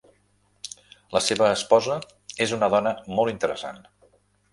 La seva esposa és una dona molt interessant.